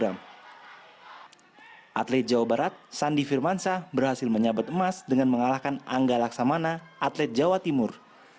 atlet jawa barat sandi firmansyah berhasil menyabet emas dengan mengalahkan angga laksamana atlet jawa timur